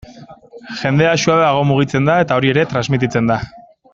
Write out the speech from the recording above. Jendea suabeago mugitzen da eta hori ere transmititzen da.